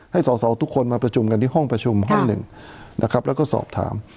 สอสอทุกคนมาประชุมกันที่ห้องประชุมห้องหนึ่งนะครับแล้วก็สอบถาม